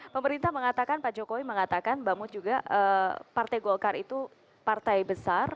pemerintah mengatakan pak jokowi mengatakan mbak mut juga partai golkar itu partai besar